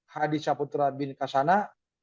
hadi caputra bin qasana